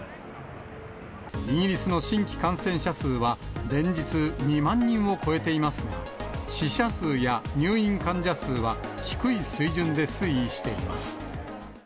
イギリスの新規感染者数は、連日、２万人を超えていますが、死者数や入院患者数は、低い水準で推移しています。